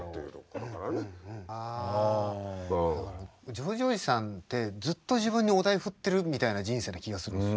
ジョージおじさんってずっと自分にお題振ってるみたいな人生な気がするんです。